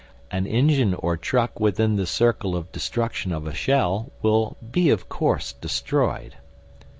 An engine or truck within the circle of destruction of a shell will be of course destroyed.